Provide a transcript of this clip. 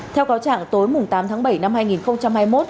theo cáo trạng tối tám tháng bảy năm hai nghìn hai mươi một